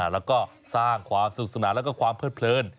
แล้วก็สร้างความสุขสนานแล้วก็ความเลิดเพลิน